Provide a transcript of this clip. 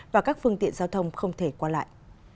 và các phương tiện giao thông không thể qua lại